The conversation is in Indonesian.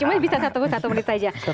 cuma bisa satu menit saja